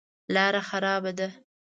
لاره خرابه ده.